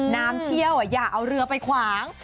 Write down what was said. น้ำเชี่ยวอย่าเอาเรือไปขวาง